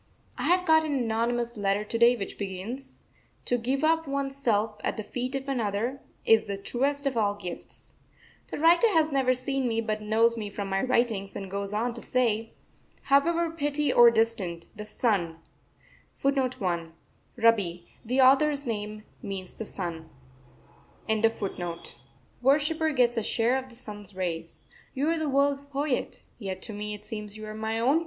I have got an anonymous letter to day which begins: To give up one's self at the feet of another, is the truest of all gifts. The writer has never seen me, but knows me from my writings, and goes on to say: However petty or distant, the Sun worshipper gets a share of the Sun's rays. You are the world's poet, yet to me it seems you are my own poet!